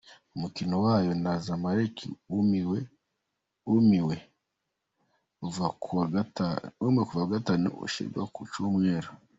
Umukino wayo na Zamalek wimuwe uva kuwa Gatanu ushyirwa ku Cyumweru.